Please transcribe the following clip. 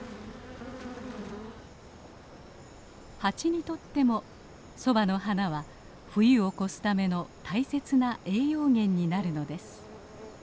ハチにとってもソバの花は冬を越すための大切な栄養源になるのです。